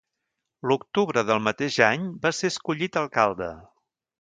L'octubre del mateix any va ser escollit alcalde.